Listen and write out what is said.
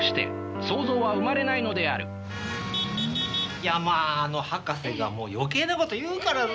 いやまあ博士がもう余計なこと言うからさ